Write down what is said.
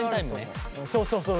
そうそうそう。